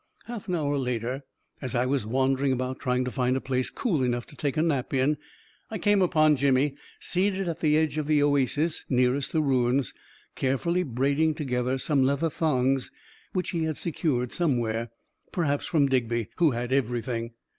Half an hour later, as I was wandering about try ing to find a place cool enough to take a nap in, I came upon Jimmy seated at the edge of the oasis nearest the ruins, carefully braiding together some leather thongs which he had secured somewhere — perhaps from Digby, who had everything.